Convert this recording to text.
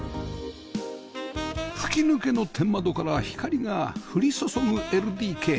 吹き抜けの天窓から光が降り注ぐ ＬＤＫ